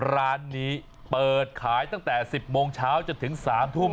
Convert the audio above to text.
ร้านนี้เปิดขายตั้งแต่๑๐โมงเช้าจนถึง๓ทุ่ม